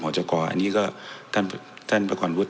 จกรอันนี้ก็ท่านประกอบวุฒิ